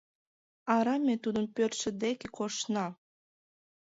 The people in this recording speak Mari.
— Арам ме тудын пӧртшӧ деке коштна!..